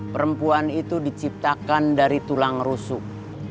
perempuan itu diciptakan dari tulang rusuk